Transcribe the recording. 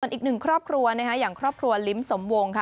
ของอีกหนึ่งครอบครัวอย่างครอบครัวลิ้มสมวง